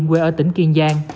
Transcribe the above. quê ở tỉnh kiên giang